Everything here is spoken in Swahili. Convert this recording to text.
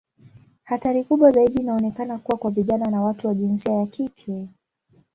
Hatari kubwa zaidi inaonekana kuwa kwa vijana na watu wa jinsia ya kike.